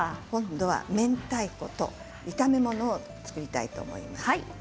今度は、めんたいこと炒め物を作りたいと思います。